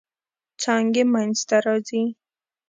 څانګې منځ ته راځي.